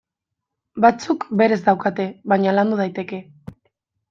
Batzuk berez daukate, baina landu daiteke.